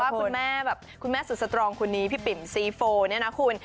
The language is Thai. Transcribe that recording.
ก็ว่าคุณแม่สุดสตรองคุณนี้พี่ปิมซีโฟร์เนี่ยนะคุณ